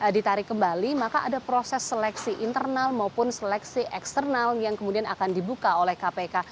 ditarik kembali maka ada proses seleksi internal maupun seleksi eksternal yang kemudian akan dibuka oleh kpk